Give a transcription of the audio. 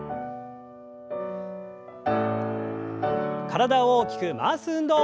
体を大きく回す運動。